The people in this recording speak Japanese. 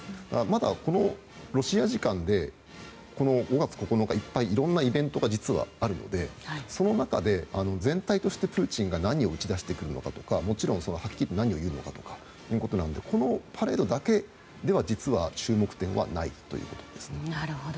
まだ、このロシア時間で５月９日いろんなイベントが実はいっぱいあるのでその中で全体としてプーチンが何を打ち出してくるのかとか何を言うのかということなのでこのパレードだけでは実は注目点はないということですね。